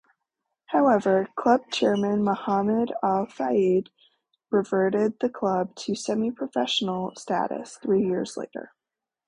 However, club chairman Mohamed Al-Fayed reverted the club to semi-professional status three years later.